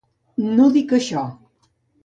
No dic això.